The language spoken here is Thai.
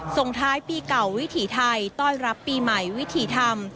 ส่งท้ายปีเก่าวิถีไทยต้อนรับปีใหม่วิถีธรรม